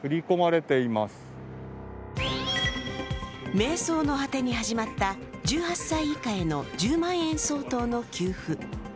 迷走の果てに始まった１８歳以下への１０万円相当の給付。